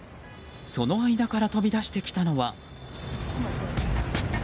その間から飛び出してきたのは。